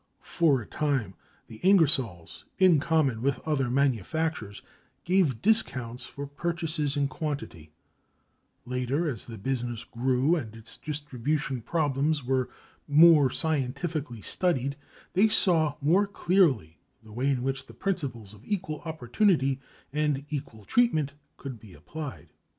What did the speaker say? For a time, the Ingersolls, in common with other manufacturers, gave discounts for purchases in quantity; later, as the business grew and its distribution problems were more scientifically studied, they saw more clearly the way in which the principles of equal opportunity and equal treatment could be applied.